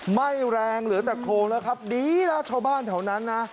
ไหม้แรงเหลือแต่โครงแล้วครับดีนะชาวบ้านแถวนั้นนะ